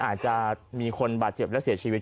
อาจจะมีคนบาดเจ็บและเสียชีวิต